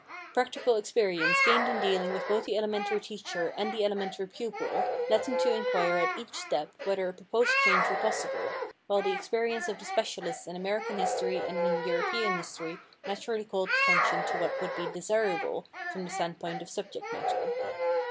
Practical experience gained in dealing with both the elementary teacher and the elementary pupil led them to inquire at each step whether a proposed change were possible, while the experience of the specialists in American history and in European history naturally called attention to what would be desirable from the standpoint of subject matter.